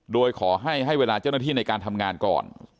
โดยขอให้ให้เวลาเจ้าหน้าที่ในการทำงานก่อน